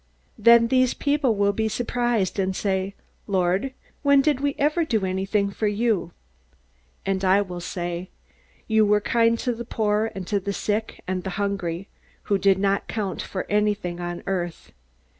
"Then these people will be surprised, and say, 'Lord when did we ever do anything for you?' "And I will say: 'You were kind to the poor and the sick and the hungry, who did not count for anything on earth.